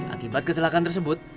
akibat kecelakaan tersebut